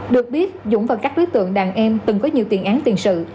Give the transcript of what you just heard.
được biết dũng và các đối tượng đàn em từng có nhiều tiền án tiền sự